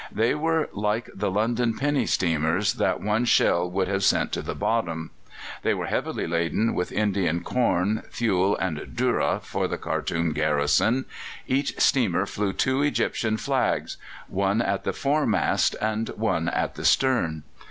They were like the London penny steamers, that one shell would have sent to the bottom. They were heavily laden with Indian corn, fuel, and dura for the Khartoum garrison. Each steamer flew two Egyptian flags, one at the foremast and one at the stern.